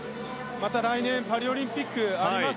また来年パリオリンピックがあります。